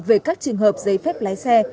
về các trường hợp giấy phép lái xe